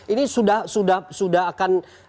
ini sudah akan